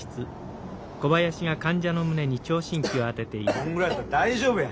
こんぐらいやったら大丈夫や。